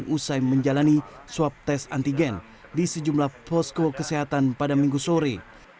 usai menjalani swab tes antigen di sejumlah posko kesehatan pada minggu sore